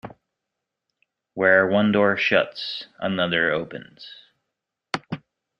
Where one door shuts, another opens.